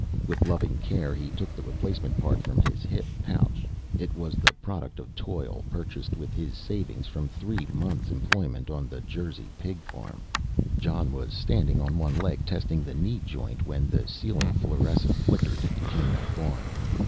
With loving care he took the replacement part from his hip pouch. It was the product of toil, purchased with his savings from three months employment on the Jersey pig farm. Jon was standing on one leg testing the new knee joint when the ceiling fluorescent flickered and came back on.